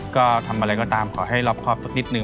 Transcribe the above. ก็ทำอะไรก็ตามขอให้รอบครอบสักนิดนึ